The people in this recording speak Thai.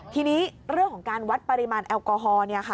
ทีนี้เรื่องของการวัดปริมาณแอลกอฮอล์